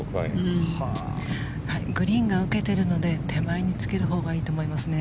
グリーンが受けているので手前につけるほうがいいと思いますね。